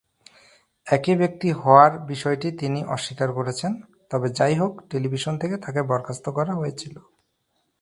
একই ব্যক্তি হওয়ার বিষয়টি তিনি অস্বীকার করেছিলেন, তবে যাই হোক টেলিভিশন থেকে তাকে বরখাস্ত করা হয়েছিল।